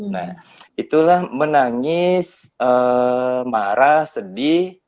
nah itulah menangis marah sedih